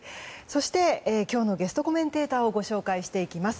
そして今日のゲストコメンテーターをご紹介していきます。